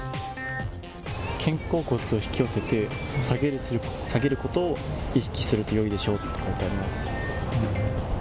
肩甲骨を引き下げて、下げることを意識するとよいでしょうと書いてあります。